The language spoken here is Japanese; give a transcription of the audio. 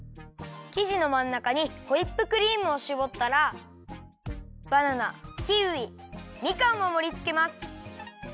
きじのまんなかにホイップクリームをしぼったらバナナキウイみかんをもりつけます。